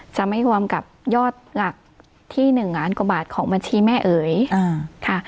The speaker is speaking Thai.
จะไม่รวมกับยอดหลักที่๑ล้านกว่าบาทของบัญชีแม่เอ๋ยค่ะ